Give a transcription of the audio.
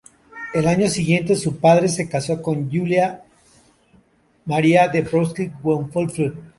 Al año siguiente su padre se casó con Juliana María de Brunswick-Wolfenbütte.